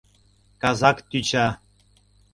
— Казак тӱча...